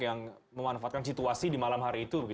yang memanfaatkan situasi di malam hari itu